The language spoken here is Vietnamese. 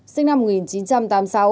sinh năm một nghìn chín trăm tám mươi sáu